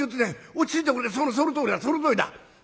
落ち着いてくれそのとおりだそのとおりだ。